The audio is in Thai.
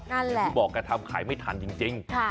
นั่นแหละที่บอกการทำขายไม่ทันจริงจริงค่ะ